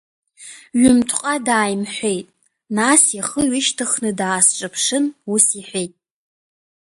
Ҩынтәҟа дааимҳәеит, нас ихы ҩышьҭыхны даасҿаԥшын, ус иҳәеит…